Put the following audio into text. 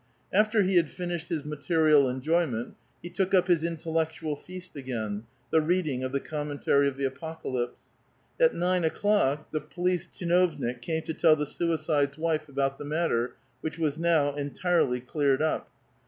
After he had finished his material enjoyment, he took up his intellectual feast again, the reading of the *' Commentary of the A[>ocalyp3e." At nine o'clock the police tchinovnik came to tell the suicide's wife about the matter, which was DOW entirely cleared up.